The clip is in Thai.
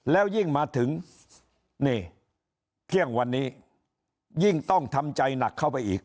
แล้วยิ่งมาถึงนี่เที่ยงวันนี้ยิ่งต้องทำใจหนักเข้าไปอีก